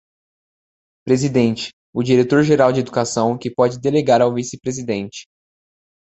Presidente: o Diretor Geral de Educação, que pode delegar ao Vice-Presidente.